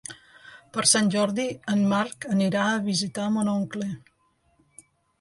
Per Sant Jordi en Marc anirà a visitar mon oncle.